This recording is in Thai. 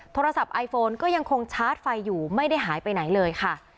โทรศัพท์ไอโฟนก็ยังคงชาร์จไฟอยู่ไม่ได้หายไปไหนเลยค่ะ